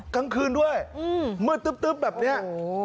กลางคืนด้วยมืดตึ๊บแบบนี้